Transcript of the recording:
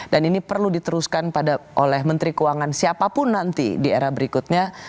dan ini perlu diteruskan oleh menteri keuangan siapapun nanti di era berikutnya